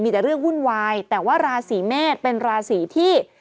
มีแต่เรื่องวุ่นวายแต่ว่าราศีเมษเป็นราศีที่